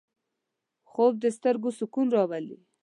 خوب د سترګو سکون راولي